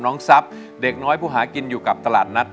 ทรัพย์เด็กน้อยผู้หากินอยู่กับตลาดนัด